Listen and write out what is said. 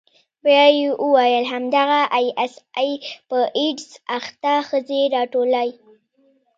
بيا يې وويل همدغه آى اس آى په ايډز اخته ښځې راټولوي.